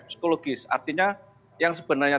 psikologis artinya yang sebenarnya